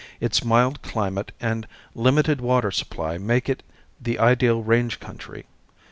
Its mild climate and limited water supply make it the ideal range country.